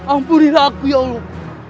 ampunilah aku ya allah